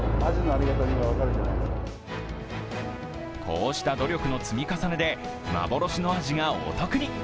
こうした努力の積み重ねで幻のアジがお得に。